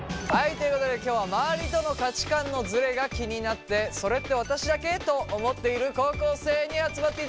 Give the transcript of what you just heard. ということで今日は周りとの価値観のズレが気になって「それって私だけ？」と思っている高校生に集まっていただきました。